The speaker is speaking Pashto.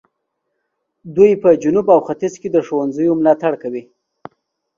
دوی په جنوب او ختیځ کې د ښوونځیو ملاتړ کوي.